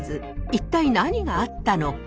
一体何があったのか？